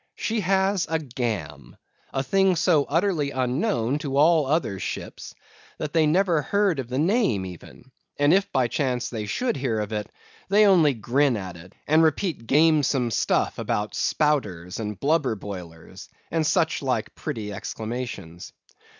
She has a "Gam," a thing so utterly unknown to all other ships that they never heard of the name even; and if by chance they should hear of it, they only grin at it, and repeat gamesome stuff about "spouters" and "blubber boilers," and such like pretty exclamations.